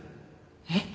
えっ？